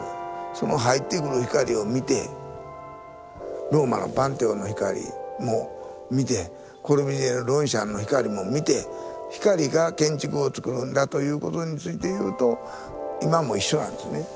その入ってくる光を見てローマのパンテオンの光も見てコルビュジエのロンシャンの光も見て光が建築をつくるんだということについていうと今も一緒なんですね。